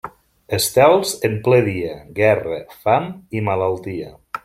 Estels en ple dia, guerra, fam i malaltia.